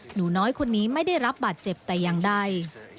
หนูน้อยคนนี้ไม่ได้รับบาดเจ็บแต่อย่างใด